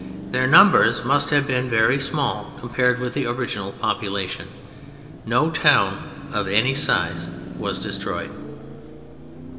Their numbers must have been very small compared with the original population. No town of any size was destroyed.